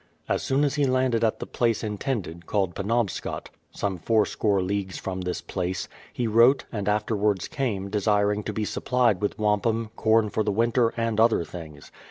As soon as he landed at the place in tended, called Penobscot, some four score leagues from this place, he wrote (and afterwards came) desiring to be supplied with wampum, corn for the winter, and other things.